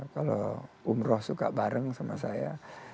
kalau umroh suka bareng sama saya